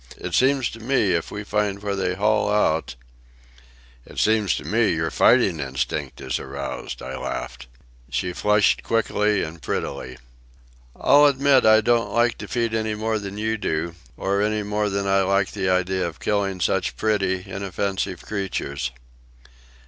It seems to me if we find where they haul out—" "It seems to me that your fighting instinct is aroused," I laughed. She flushed quickly and prettily. "I'll admit I don't like defeat any more than you do, or any more than I like the idea of killing such pretty, inoffensive creatures."